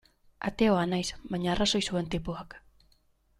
Ateoa naiz, baina arrazoi zuen tipoak.